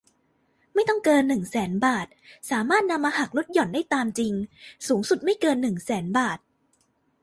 ต้องไม่เกิน หนึ่งแสน บาท สามารถนำมาหักลดหย่อนได้ตามจริง สูงสุดไม่เกิน หนึ่งแสน บาท